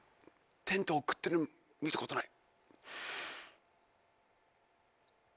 テントウ食ってるの見たことない。